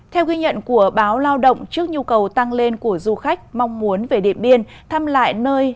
theo ghi nhận của báo lao động trước nhu cầu tăng lên của du khách mong muốn về điện biên thăm lại nơi